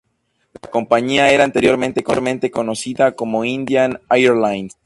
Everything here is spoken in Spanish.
La compañía era anteriormente conocida como Indian Airlines.